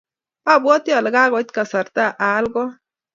Abwati ale kakoit kasartannyu aal kot.